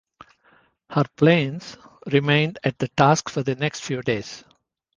Her planes remained at the task for the next few days.